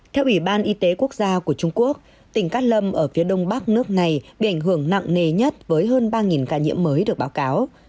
theo ủy ban y tế quốc gia của trung quốc tỉnh cát lâm ở phía đông bắc nước này bị ảnh hưởng nặng nề nhất với hơn ba ca nhiễm mới được báo cáo